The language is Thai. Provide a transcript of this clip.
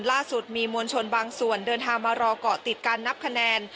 ล่าสุดมีมวลชนบางส่วนเดินทางมารอเกาะติดการนับคะแนน